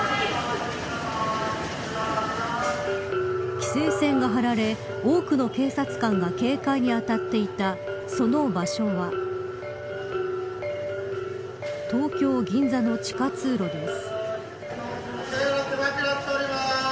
規制線が張られ、多くの人が多くの警察官が警戒に当たっていたその場所は東京、銀座の地下通路です。